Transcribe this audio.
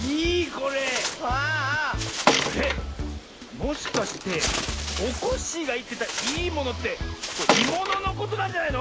もしかしておこっしぃがいってた「いいもの」って「いもの」のことなんじゃないの？